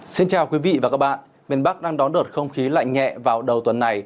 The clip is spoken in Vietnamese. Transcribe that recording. xin chào quý vị và các bạn miền bắc đang đón đợt không khí lạnh nhẹ vào đầu tuần này